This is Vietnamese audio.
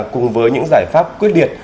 cùng với những giải pháp quyết liệt